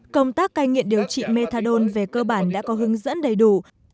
công tác cai nghiện điều trị methadon về cơ bản đã có hướng dẫn đầy đủ